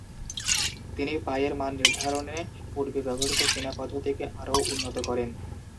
তিনি পাই এর মান নির্ধারণে পূর্বে ব্যবহৃত চীনা পদ্ধতিকে আরও উন্নত করেন।